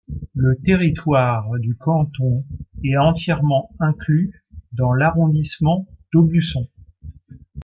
Le territoire du canton est entièrement inclus dans l'arrondissement d'Aubusson.